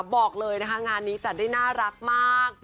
บอกเลยนะคะงานนี้จัดได้น่ารักมาก